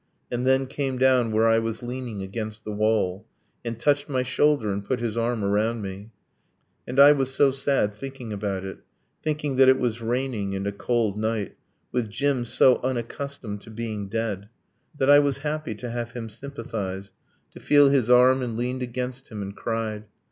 and then came down Where I was leaning against the wall, And touched my shoulder, and put his arm around me ... And I was so sad, thinking about it, Thinking that it was raining, and a cold night, With Jim so unaccustomed to being dead, That I was happy to have him sympathize, To feel his arm, and leaned against him and cried.